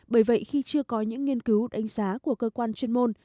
bởi vậy khi chưa có những nghiên cứu đánh giá của cơ quan chuyên môn